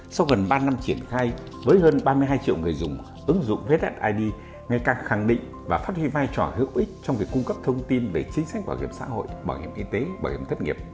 sau gần ba năm triển khai với hơn ba mươi hai triệu người dùng ứng dụng vssid ngày càng khẳng định và phát huy vai trò hữu ích trong việc cung cấp thông tin về chính sách bảo hiểm xã hội bảo hiểm y tế bảo hiểm thất nghiệp